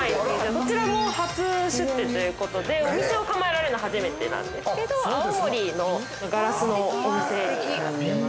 ◆こちらも初出店ということでお店を構えられるの初めてなんですけど青森のガラスのお店になってます。